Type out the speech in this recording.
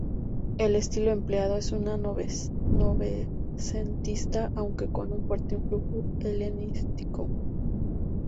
El estilo empleado es novecentista, aunque con un fuerte influjo helenístico.